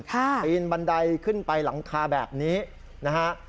ปีนบันไดขึ้นไปหลังคาแบบนี้นะฮะ